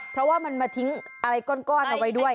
เพราะว่ามันมาทิ้งอะไรก้อนเอาไว้ด้วย